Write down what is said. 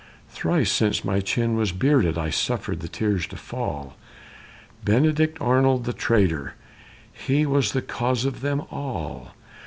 Thrice since my chin was bearded I suffered the tears to fall; Benedict Arnold, the traitor, he was the cause of them all!